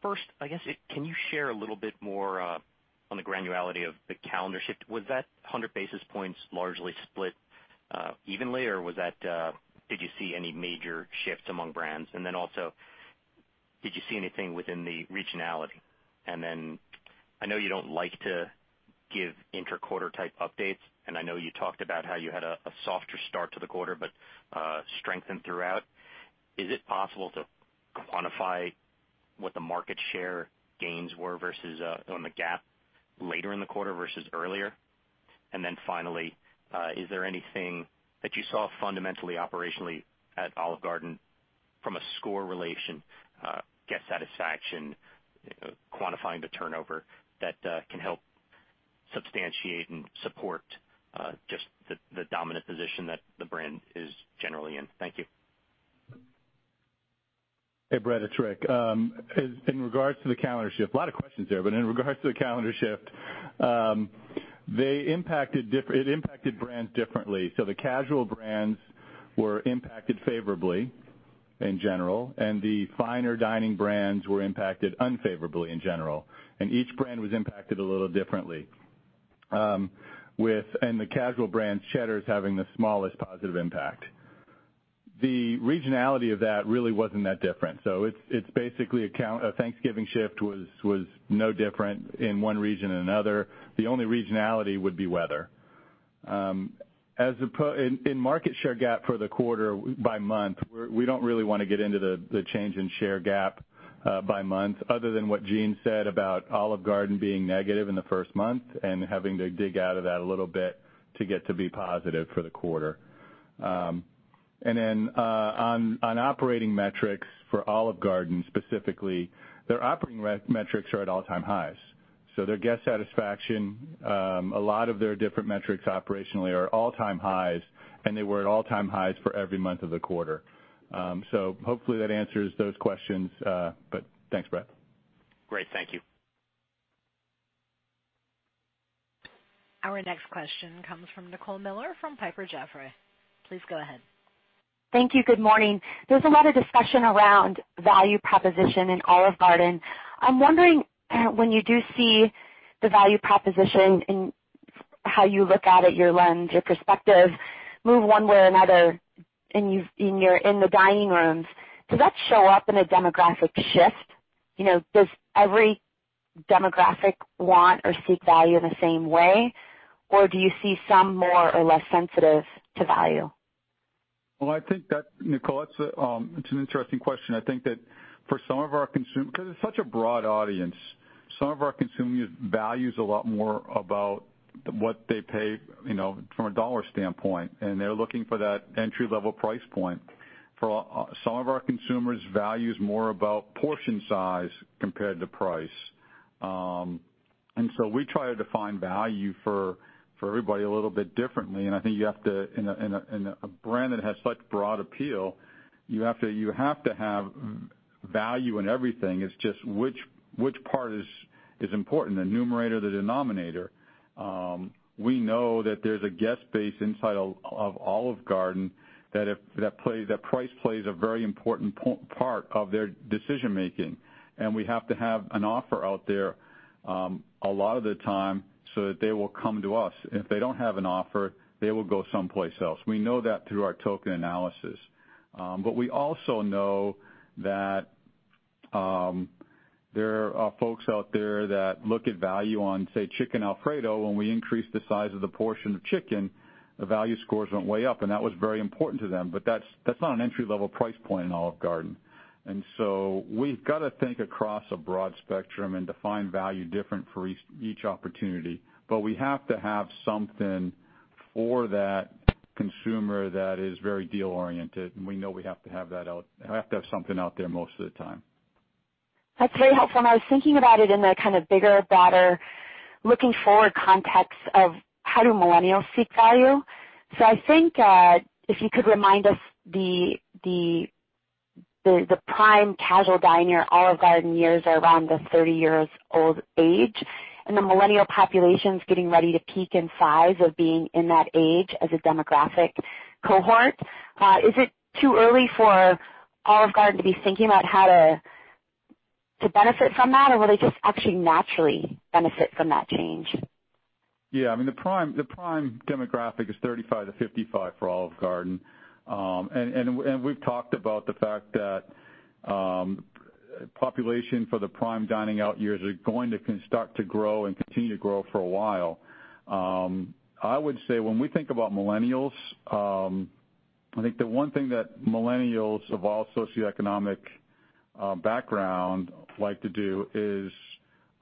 First, I guess, can you share a little bit more on the granularity of the calendar shift? Was that 100 basis points largely split evenly, or did you see any major shifts among brands? Also, did you see anything within the regionality? I know you don't like to give inter-quarter type updates, and I know you talked about how you had a softer start to the quarter, but strengthened throughout. Is it possible to quantify what the market share gains were versus on the GAAP later in the quarter versus earlier? Finally, is there anything that you saw fundamentally operationally at Olive Garden from a score relation, guest satisfaction, quantifying the turnover that can help substantiate and support just the dominant position that the brand is generally in? Thank you. Hey, Brett. It's Rick. In regards to the calendar shift — a lot of questions there, but in regards to the calendar shift, it impacted brands differently. The casual brands were impacted favorably in general, the Fine Dining brands were impacted unfavorably in general, each brand was impacted a little differently. With the casual brands, Cheddar's having the smallest positive impact. The regionality of that really wasn't that different. It's basically a Thanksgiving shift was no different in one region than another. The only regionality would be weather. In market share gap for the quarter by month, we don't really want to get into the change in share gap By month, other than what Gene said about Olive Garden being negative in the first month and having to dig out of that a little bit to get to be positive for the quarter. On operating metrics for Olive Garden specifically, their operating metrics are at all-time highs. Their guest satisfaction, a lot of their different metrics operationally are all-time highs, and they were at all-time highs for every month of the quarter. Hopefully that answers those questions. Thanks, Brett. Great. Thank you. Our next question comes from Nicole Miller from Piper Jaffray. Please go ahead. Thank you. Good morning. There's a lot of discussion around value proposition in Olive Garden. I'm wondering when you do see the value proposition and how you look at it, your lens, your perspective, move one way or another, and you're in the dining rooms, does that show up in a demographic shift? Does every demographic want or seek value in the same way, or do you see some more or less sensitive to value? Well, I think that, Nicole, it's an interesting question. I think that for some of our consumer-- because it's such a broad audience, some of our consumer values a lot more about what they pay from a dollar standpoint. They're looking for that entry-level price point. For some of our consumers values more about portion size compared to price. We try to define value for everybody a little bit differently, and I think in a brand that has such broad appeal, you have to have value in everything. It's just which part is important, the numerator, the denominator. We know that there's a guest base inside of Olive Garden, that price plays a very important part of their decision making. We have to have an offer out there, a lot of the time so that they will come to us. If they don't have an offer, they will go someplace else. We know that through our ticket analysis. We also know that there are folks out there that look at value on, say, chicken Alfredo. When we increased the size of the portion of chicken, the value scores went way up, and that was very important to them. That's not an entry level price point in Olive Garden. We've got to think across a broad spectrum and define value different for each opportunity. We have to have something for that consumer that is very deal oriented, and we know we have to have something out there most of the time. That's very helpful, and I was thinking about it in the kind of bigger, broader, looking forward context of how do millennials seek value. I think, if you could remind us, the prime casual diner Olive Garden years are around the 30 years old age, and the millennial population's getting ready to peak in size of being in that age as a demographic cohort. Is it too early for Olive Garden to be thinking about how to benefit from that, or will they just actually naturally benefit from that change? Yeah. The prime demographic is 35 to 55 for Olive Garden. We've talked about the fact that population for the prime dining out years are going to start to grow and continue to grow for a while. I would say when we think about millennials, I think the one thing that millennials of all socioeconomic background like to do is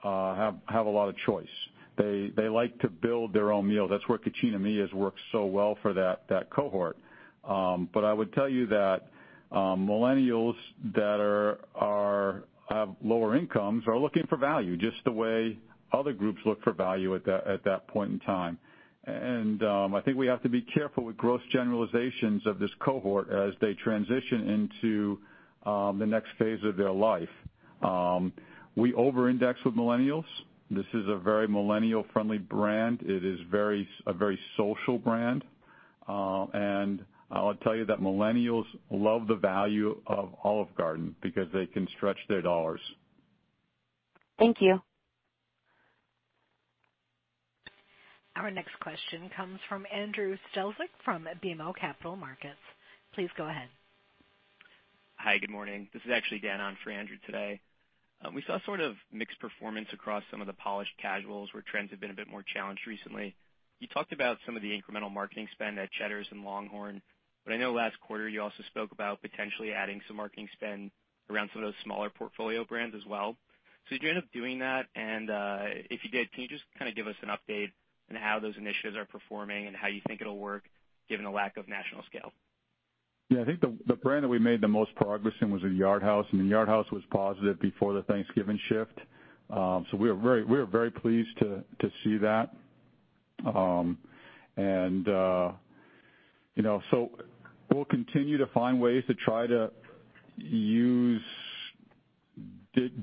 have a lot of choice. They like to build their own meal. That's where Cucina Mia has worked so well for that cohort. I would tell you that millennials that have lower incomes are looking for value just the way other groups look for value at that point in time. I think we have to be careful with gross generalizations of this cohort as they transition into the next phase of their life. We over-index with millennials. This is a very millennial-friendly brand. It is a very social brand. I'll tell you that millennials love the value of Olive Garden because they can stretch their dollars. Thank you. Our next question comes from Andrew Strelzik from BMO Capital Markets. Please go ahead. Hi. Good morning. This is actually [Dan] on for Andrew today. We saw sort of mixed performance across some of the polished casuals where trends have been a bit more challenged recently. You talked about some of the incremental marketing spend at Cheddar's and LongHorn, but I know last quarter you also spoke about potentially adding some marketing spend around some of those smaller portfolio brands as well. Did you end up doing that? If you did, can you just give us an update on how those initiatives are performing and how you think it'll work given the lack of national scale? Yeah, I think the brand that we made the most progress in was Yard House. Yard House was positive before the Thanksgiving shift. We were very pleased to see that. We'll continue to find ways to try to use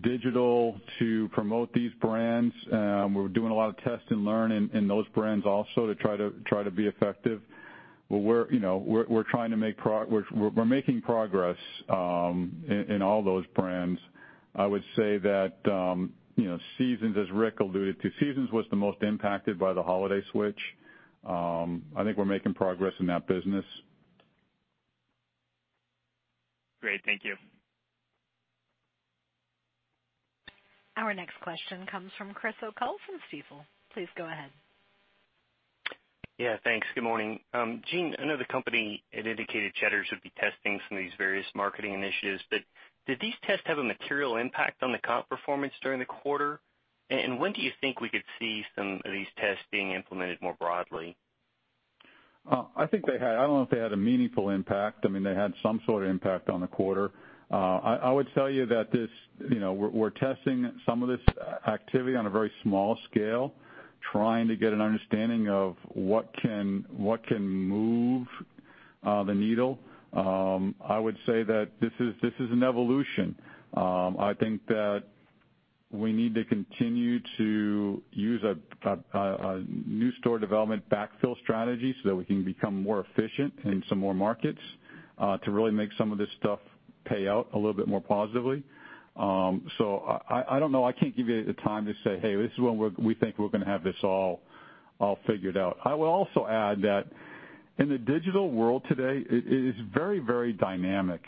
digital to promote these brands. We're doing a lot of test and learn in those brands also to try to be effective. We're making progress in all those brands. I would say that, Seasons, as Rick alluded to, Seasons was the most impacted by the holiday switch. I think we're making progress in that business. Great. Thank you. Our next question comes from Chris O'Cull from Stifel. Please go ahead. Thanks. Good morning. Gene, I know the company had indicated Cheddar's would be testing some of these various marketing initiatives, did these tests have a material impact on the comp performance during the quarter? When do you think we could see some of these tests being implemented more broadly? I don't know if they had a meaningful impact. They had some sort of impact on the quarter. I would tell you that we're testing some of this activity on a very small scale, trying to get an understanding of what can move the needle. I would say that this is an evolution. I think that we need to continue to use a new store development backfill strategy so that we can become more efficient in some more markets, to really make some of this stuff pay out a little bit more positively. I don't know. I can't give you a time to say, "Hey, this is when we think we're going to have this all figured out." I would also add that in the digital world today, it is very dynamic.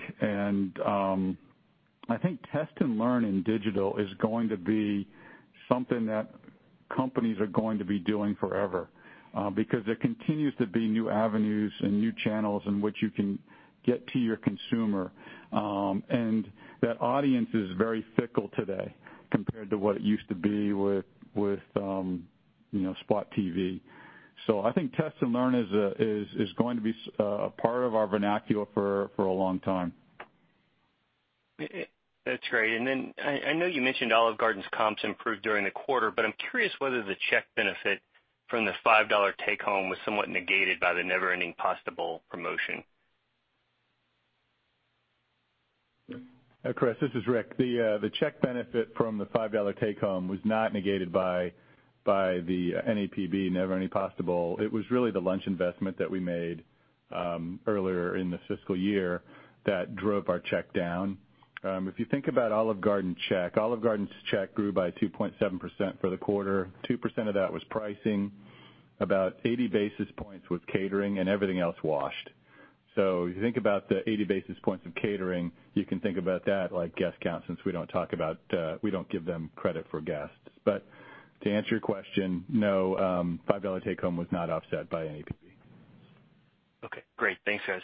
I think test and learn in digital is going to be something that companies are going to be doing forever. Because there continues to be new avenues and new channels in which you can get to your consumer. That audience is very fickle today compared to what it used to be with spot TV. I think test and learn is going to be a part of our vernacular for a long time. That's great. Then I know you mentioned Olive Garden's comps improved during the quarter, but I'm curious whether the check benefit from the $5 Take Home was somewhat negated by the Never Ending Pasta Bowl promotion. Chris, this is Rick. The check benefit from the $5 Take Home was not negated by the NEPB, Never Ending Pasta Bowl. It was really the lunch investment that we made earlier in the fiscal year that drove our check down. If you think about Olive Garden check, Olive Garden's check grew by 2.7% for the quarter. 2% of that was pricing, about 80 basis points was catering, everything else washed. If you think about the 80 basis points of catering, you can think about that like guest count, since we don't give them credit for guests. To answer your question, no, $5 Take Home was not offset by NEPB. Okay, great. Thanks, guys.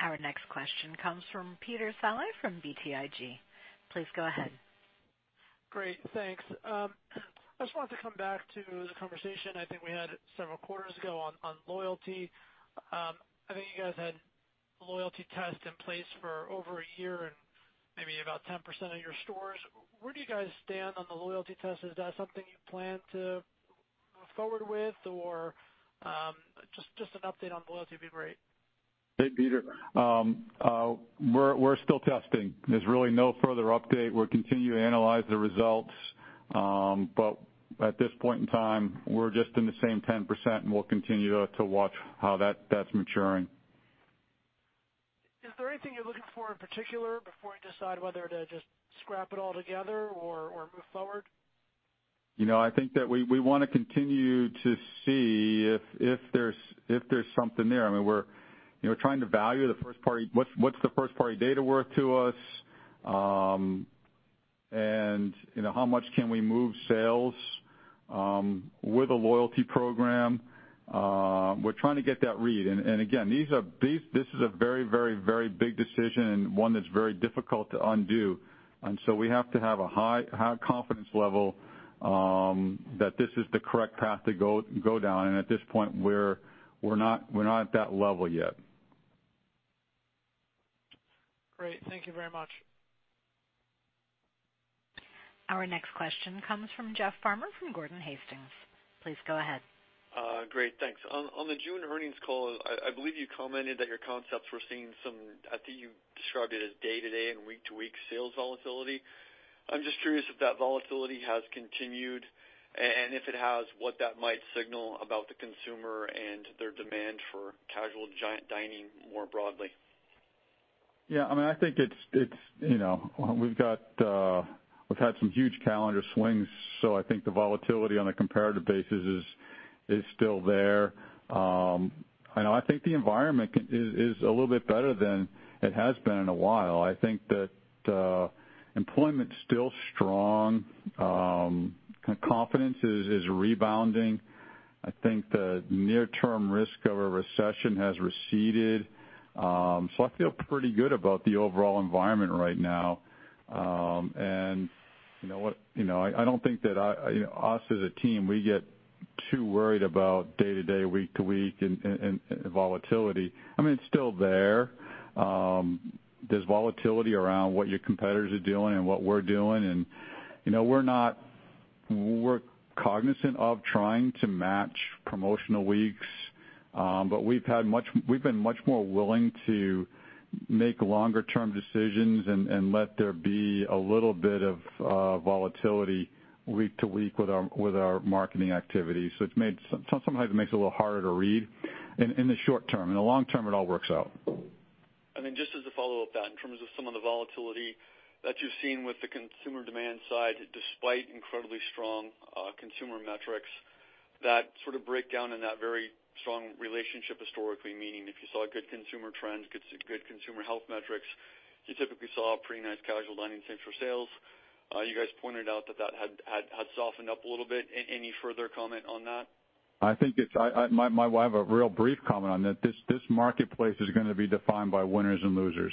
Our next question comes from Peter Saleh from BTIG. Please go ahead. Great, thanks. I just wanted to come back to the conversation I think we had several quarters ago on loyalty. I think you guys had a loyalty test in place for over a year in maybe about 10% of your stores. Where do you guys stand on the loyalty test? Is that something you plan to move forward with, or just an update on loyalty would be great. Hey, Peter. We're still testing. There's really no further update. We'll continue to analyze the results. At this point in time, we're just in the same 10%, and we'll continue to watch how that's maturing. Is there anything you're looking for in particular before you decide whether to just scrap it all together or move forward? I think that we want to continue to see if there's something there. We're trying to value what's the first party data worth to us, and how much can we move sales with a loyalty program. We're trying to get that read. Again, this is a very big decision and one that's very difficult to undo. We have to have a high confidence level that this is the correct path to go down. At this point, we're not at that level yet. Great. Thank you very much. Our next question comes from Jeff Farmer from Gordon Haskett. Please go ahead. Great, thanks. On the June earnings call, I believe you commented that your concepts were seeing some, I think you described it as day-to-day and week-to-week sales volatility. I'm just curious if that volatility has continued, and if it has, what that might signal about the consumer and their demand for casual dining more broadly. We've had some huge calendar swings, I think the volatility on a comparative basis is still there. I think the environment is a little bit better than it has been in a while. I think that employment's still strong. Confidence is rebounding. I think the near-term risk of a recession has receded. I feel pretty good about the overall environment right now. I don't think that us as a team, we get too worried about day-to-day, week-to-week volatility. It's still there. There's volatility around what your competitors are doing and what we're doing, and we're cognizant of trying to match promotional weeks. We've been much more willing to make longer term decisions and let there be a little bit of volatility week to week with our marketing activities. Sometimes it makes it a little harder to read in the short term. In the long term, it all works out. Just as a follow up to that, in terms of some of the volatility that you've seen with the consumer demand side, despite incredibly strong consumer metrics. That sort of breakdown in that very strong relationship historically, meaning if you saw good consumer trends, good consumer health metrics, you typically saw pretty nice casual dining same for sales. You guys pointed out that that had softened up a little bit. Any further comment on that? I have a real brief comment on that. This marketplace is going to be defined by winners and losers.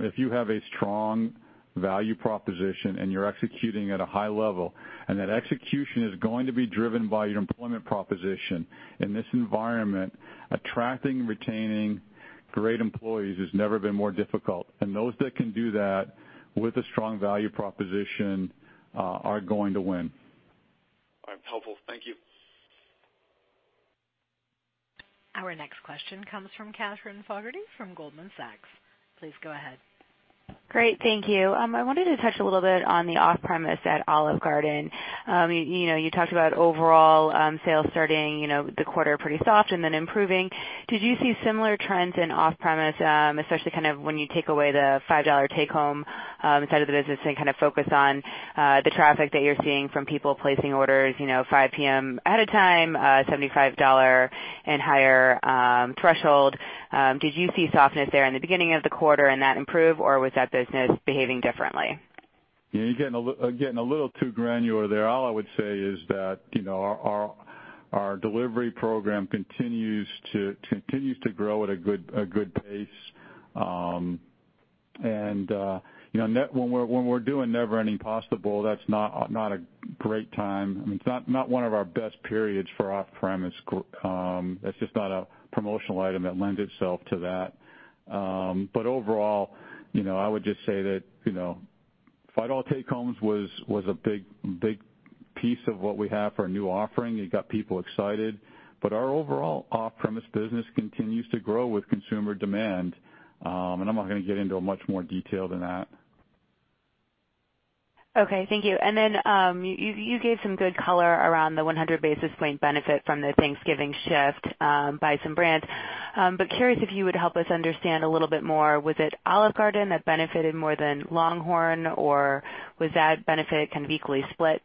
If you have a strong value proposition and you're executing at a high level, and that execution is going to be driven by your employment proposition in this environment, attracting and retaining great employees has never been more difficult. Those that can do that with a strong value proposition are going to win. All right, helpful. Thank you. Our next question comes from Katherine Fogertey from Goldman Sachs. Please go ahead. Great. Thank you. I wanted to touch a little bit on the off-premise at Olive Garden. You talked about overall sales starting the quarter pretty soft and then improving. Did you see similar trends in off-premise, especially when you take away the $5 Take-Home side of the business and focus on the traffic that you're seeing from people placing orders 5:00 P.M. ahead of time, $75 and higher threshold. Did you see softness there in the beginning of the quarter and that improve or was that business behaving differently? Yeah, you're getting a little too granular there. All I would say is that our delivery program continues to grow at a good pace. When we're doing Never Ending Pasta Bowl, that's not a great time. I mean, it's not one of our best periods for off-premise. That's just not a promotional item that lends itself to that. Overall, I would just say that $5 all Take-Homes was a big piece of what we have for a new offering. It got people excited. Our overall off-premise business continues to grow with consumer demand. I'm not going to get into much more detail than that. Okay, thank you. You gave some good color around the 100 basis point benefit from the Thanksgiving shift by some brands. Curious if you would help us understand a little bit more. Was it Olive Garden that benefited more than LongHorn, or was that benefit kind of equally split?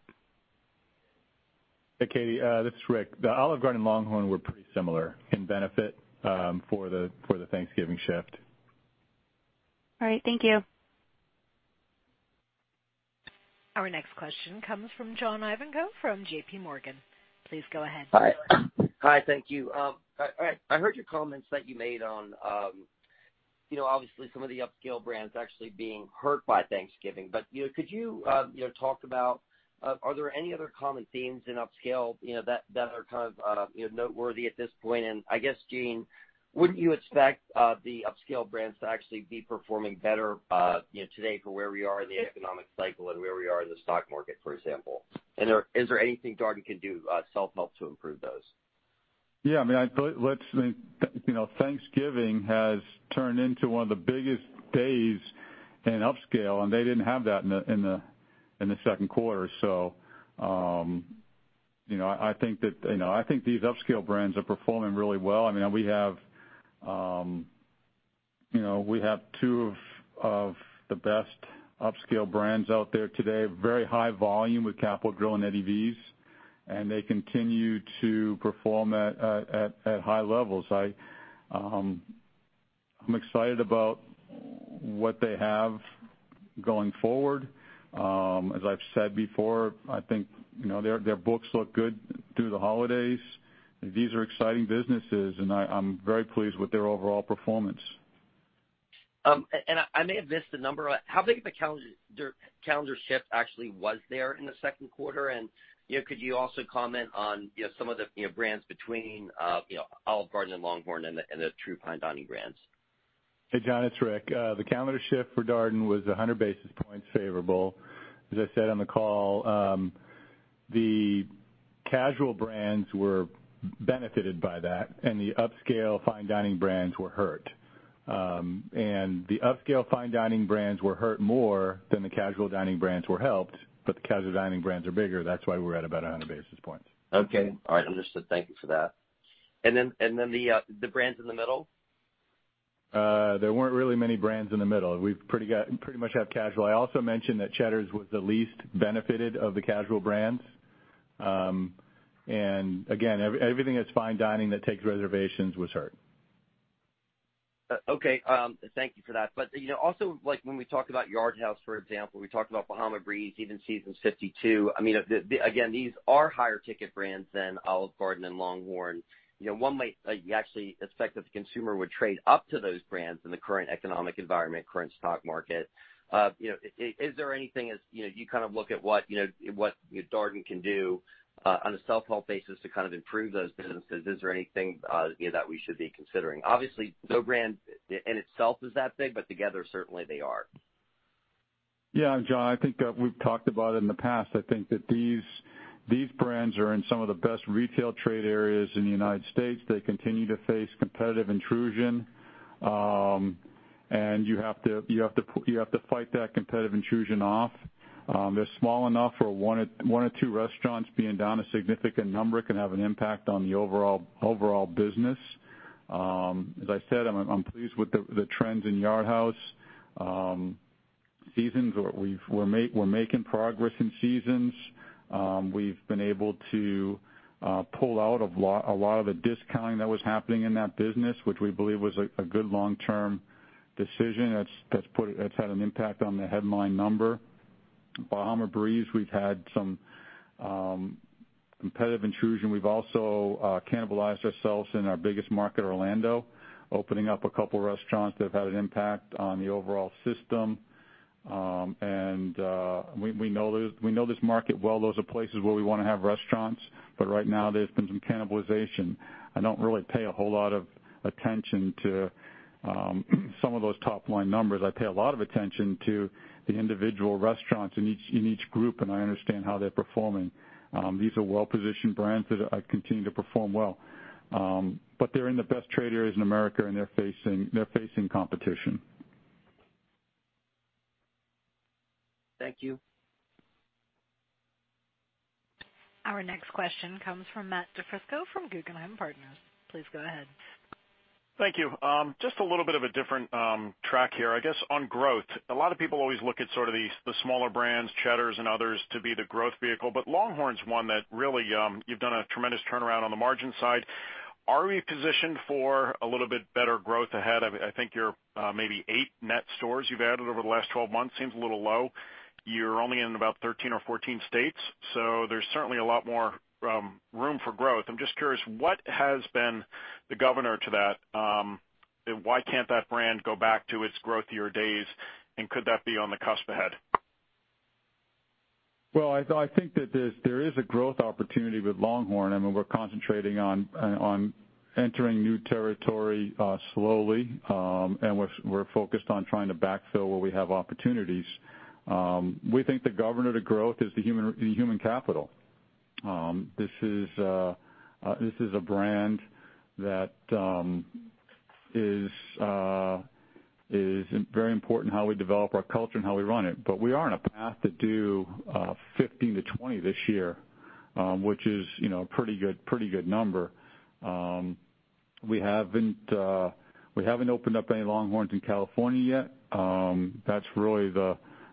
Hey, Katie, this is Rick. The Olive Garden and LongHorn were pretty similar in benefit for the Thanksgiving shift. All right. Thank you. Our next question comes from John Ivankoe from JPMorgan. Please go ahead. Hi. Thank you. I heard your comments that you made on obviously some of the upscale brands actually being hurt by Thanksgiving. Could you talk about, are there any other common themes in upscale, that are kind of noteworthy at this point? I guess, Gene, wouldn't you expect the upscale brands to actually be performing better today for where we are in the economic cycle and where we are in the stock market, for example? Is there anything Darden can do self-help to improve those? Yeah. Thanksgiving has turned into one of the biggest days in upscale, and they didn't have that in the second quarter. I think these upscale brands are performing really well. We have two of the best upscale brands out there today, very high volume with The Capital Grille and Eddie V's, and they continue to perform at high levels. I'm excited about what they have going forward. As I've said before, I think their books look good through the holidays. These are exciting businesses, and I'm very pleased with their overall performance. I may have missed the number. How big of a calendar shift actually was there in the second quarter? Could you also comment on some of the brands between Olive Garden and LongHorn and the true Fine Dining brands? Hey, John, it's Rick. The calendar shift for Darden was 100 basis points favorable. As I said on the call, the casual brands were benefited by that and the upscale Fine Dining brands were hurt. The upscale Fine Dining brands were hurt more than the casual dining brands were helped, the casual dining brands are bigger. That's why we're at about 100 basis points. Okay. All right. Understood. Thank you for that. The brands in the middle? There weren't really many brands in the middle. We pretty much have casual. I also mentioned that Cheddar's was the least benefited of the casual brands. Again, everything that's Fine Dining that takes reservations was hurt. Okay. Thank you for that. Also, when we talk about Yard House, for example, we talked about Bahama Breeze, even Seasons 52. Again, these are higher ticket brands than Olive Garden and LongHorn. One might actually expect that the consumer would trade up to those brands in the current economic environment, current stock market. Is there anything — as you look at what Darden can do on a self-help basis to improve those businesses, is there anything that we should be considering? Obviously, no brand in itself is that big, together, certainly they are. Yeah, John, I think we've talked about it in the past. I think that these brands are in some of the best retail trade areas in the United States. They continue to face competitive intrusion. You have to fight that competitive intrusion off. They're small enough for one or two restaurants being down a significant number can have an impact on the overall business. As I said, I'm pleased with the trends in Yard House. Seasons, we're making progress in Seasons. We've been able to pull out a lot of the discounting that was happening in that business, which we believe was a good long-term decision that's had an impact on the headline number. Bahama Breeze, we've had some competitive intrusion. We've also cannibalized ourselves in our biggest market, Orlando, opening up a couple restaurants that have had an impact on the overall system. We know this market well. Those are places where we want to have restaurants, but right now, there's been some cannibalization. I don't really pay a whole lot of attention to some of those top-line numbers. I pay a lot of attention to the individual restaurants in each group, and I understand how they're performing. These are well-positioned brands that continue to perform well. They're in the best trade areas in America, and they're facing competition. Thank you. Our next question comes from Matt DiFrisco from Guggenheim Partners. Please go ahead. Thank you. Just a little bit of a different track here. I guess, on growth, a lot of people always look at sort of the smaller brands, Cheddar's and others, to be the growth vehicle. LongHorn's one that really you've done a tremendous turnaround on the margin side. Are we positioned for a little bit better growth ahead? I think maybe eight net stores you've added over the last 12 months, seems a little low. You're only in about 13 or 14 states, so there's certainly a lot more room for growth. I'm just curious, what has been the governor to that? Why can't that brand go back to its growth year days, and could that be on the cusp ahead? Well, I think that there is a growth opportunity with LongHorn. We're concentrating on entering new territory slowly, and we're focused on trying to backfill where we have opportunities. We think the governor to growth is the human capital. This is a brand that is very important how we develop our culture and how we run it. We are on a path to do 15-20 this year, which is a pretty good number. We haven't opened up any LongHorns in California yet. That's really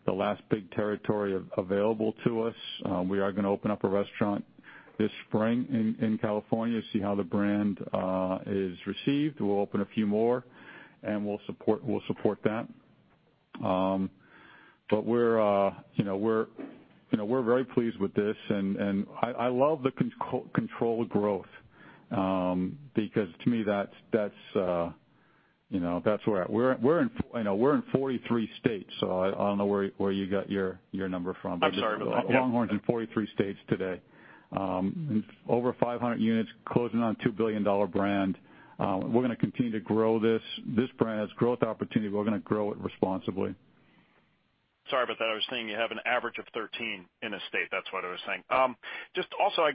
the last big territory available to us. We are going to open up a restaurant this spring in California, see how the brand is received. We'll open a few more, and we'll support that. We're very pleased with this, and I love the controlled growth because to me that's where. We're in 43 states, so I don't know where you got your number from. I'm sorry about that. LongHorn's in 43 states today. Over 500 units closing on a $2 billion brand. We're going to continue to grow this. This brand has growth opportunity. We're going to grow it responsibly. Sorry about that. I was thinking you have an average of 13 in a state. That's what I was saying.